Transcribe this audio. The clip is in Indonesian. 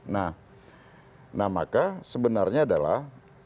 nah maka sebenarnya adalah